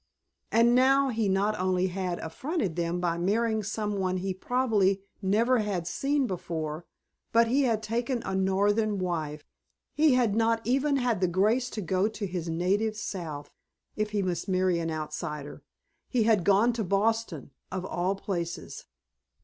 And now he not only had affronted them by marrying some one he probably never had seen before, but he had taken a Northern wife; he had not even had the grace to go to his native South, if he must marry an outsider; he had gone to Boston of all places!